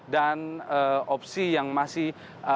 dan opsi yang masih